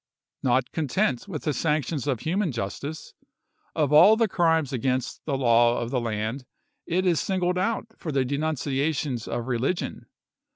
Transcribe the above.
Not content with the sanctions of human justice, of all the crimes against the law of the land it is singled out for the denunciations of re ligion.